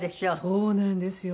そうなんですよ。